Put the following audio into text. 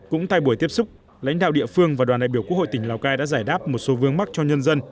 cũng tại buổi tiếp xúc lãnh đạo địa phương và đoàn đại biểu quốc hội tỉnh lào cai đã giải đáp một số vương mắc cho nhân dân